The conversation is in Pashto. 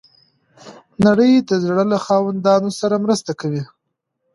نړۍ د زړه له خاوندانو سره مرسته کوي.